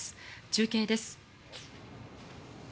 中継です。